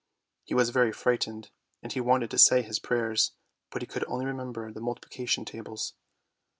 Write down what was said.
He was very frightened, and he wanted to say his prayers, but he could only remember the multiplication tables.